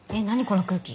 この空気。